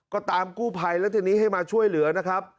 ก็ตามกู้ภัยแล้วทีนี้ให้มาช่วยเหลือนะครับ